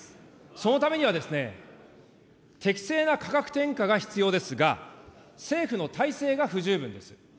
そのためには、適正な価格転嫁が必要ですが、政府の体制が不十分です。